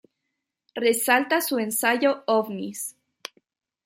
Resalta su ensayo "Ovnis.